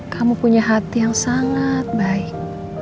kamu punya hati yang sangat baik